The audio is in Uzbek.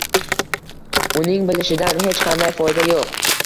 Uning bilishidan hech qanday foyda yo'q.